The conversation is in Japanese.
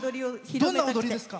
どんな踊りですか？